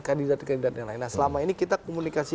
kandidat kandidat yang lain nah selama ini kita komunikasi